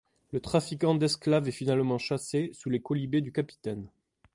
Le trafiquant d'esclaves est finalement chassé, sous les quolibets du capitaine.